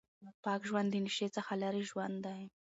پاک ژوند د نشې څخه لرې ژوند دی.